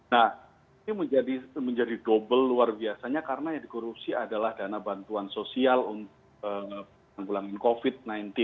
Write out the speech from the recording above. nah ini menjadi dobel luar biasanya karena yang dikorupsi adalah dana bantuan sosial untuk covid sembilan belas